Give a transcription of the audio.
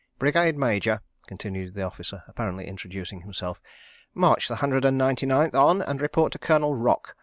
"Brigade Major," continued the officer, apparently introducing himself. "March the Hundred and Ninety Ninth on and report to Colonel Rock.